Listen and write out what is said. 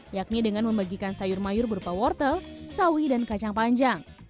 yakni dengan membagikan sayur mayur berupa wortel sawi dan kacang panjang